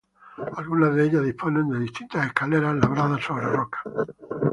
Algunas de ellas disponen de distintas escaleras, labradas sobre la roca.